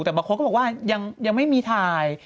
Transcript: แต่บางคนก็บอกว่ายังไม่มีถ่าย